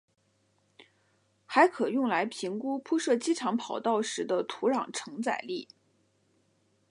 还可用来评估铺设机场跑道时的土壤承载力。